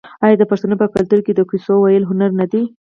آیا د پښتنو په کلتور کې د کیسو ویل هنر نه دی؟